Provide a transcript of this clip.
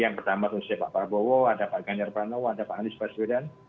yang pertama itu pak prabowo ada pak ganyar pranowo ada pak andi soebaswedan